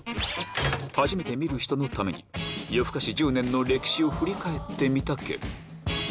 初めて見る人のために、夜ふかし１０年の歴史を振り返ってみた件。